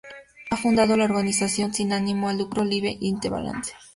Ha fundado la organización sin ánimo de lucro Lives in the Balance.